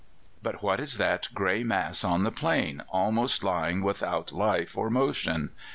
But what is that grey mass on the plain, almost lying without life or motion?